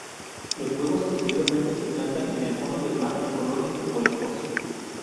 Los huevos posteriormente se plantan en el fondo del mar en colonias de pólipos.